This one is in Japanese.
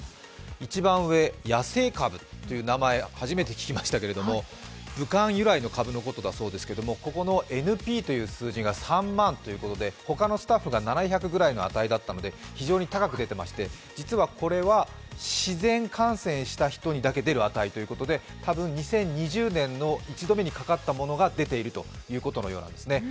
一番上、野生株という名前初めて聞きましたけど武漢由来の株のことなんだそうですけど、ここのＮＰという数値が３万ということで他のスタッフが７００ぐらいの値だったので非常に高く出ていまして実はこれは自然感染した人にだけ出る値ということで多分、２０２０年の一度目にかかったものが出てるようなんですね。